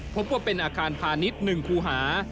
พบว่าเป็นอาคารพาณิชย์๑คูหา